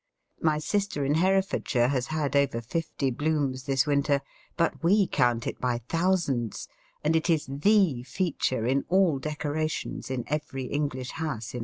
My sister in Herefordshire has had over fifty blooms this winter; but we count it by thousands, and it is the feature in all decorations in every English house in Algiers."